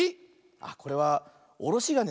あっこれはおろしがねだね。